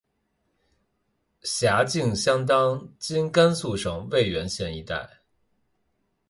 辖境相当今甘肃省渭源县一带。